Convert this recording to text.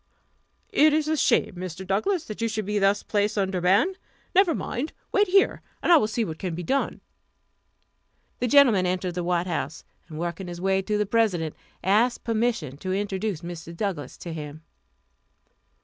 "It is a shame, Mr. Douglass, that you should thus be placed under ban. Never mind; wait here, and I will see what can be done." The gentleman entered the White House, and working his way to the President, asked permission to introduce Mr. Douglass to him.